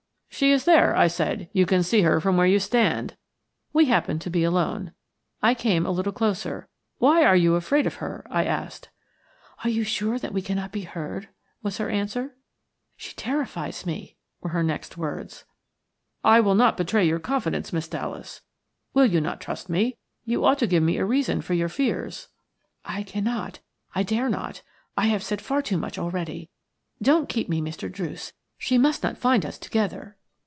"She is there," I said. "You can see her from where you stand." We happened to be alone. I came a little closer. "Why are you afraid of her?" I asked. "Are you sure that we shall not be heard?" was her answer. "Certain." "WHY ARE YOU AFRAID OF HER?" "She terrifies me," were her next words. "I will not betray your confidence, Miss Dallas. Will you not trust me? You ought to give me a reason for your fears." "I cannot – I dare not; I have said far too much already. Don't keep me, Mr. Druce. She must not find us together."